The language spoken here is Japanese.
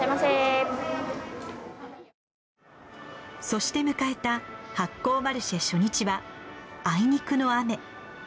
そして迎えた発酵マルシェ初日はあいにくの雨。